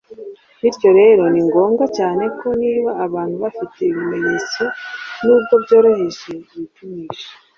bityo rero ni ngombwa cyane ko niba abantu bafite ibimenyetso, nubwo byoroheje, bipimisha.